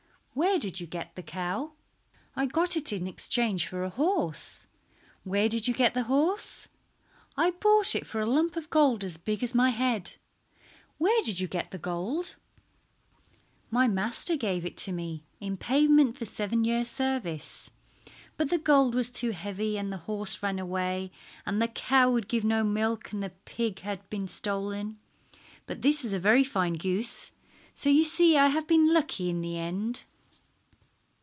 "Where did you get the cow?" "I got it in exchange for a horse." "Where did you get the horse?" "I bought it for a lump of gold as big as my head." "Where did you get the gold?" "My master gave it to me in payment for seven years' service, but the gold was too heavy, and the horse ran away, and the cow would give no milk, and the pig had been stolen, but this is a very fine goose, so you see I have been lucky in the end."